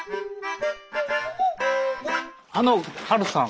あのハルさん？